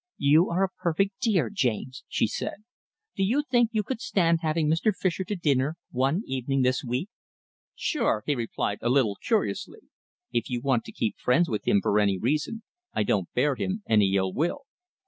"You are a perfect dear, James," she said. "Do you think you could stand having Mr. Fischer to dinner one evening this week?" "Sure!" he replied, a little curiously. "If you want to keep friends with him for any reason, I don't bear him any ill will."